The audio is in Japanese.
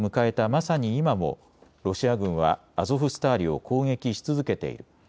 まさに今もロシア軍はアゾフスターリを攻撃し続けている。